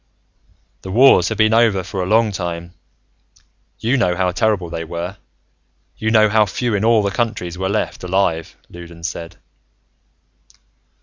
"The wars have been over for a long time. You know how terrible they were. You know how few in all the countries were left alive," Loudons said.